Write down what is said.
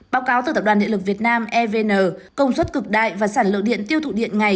báo cáo từ tập đoàn điện lực việt nam evn công suất cực đại và sản lượng điện tiêu thụ điện ngày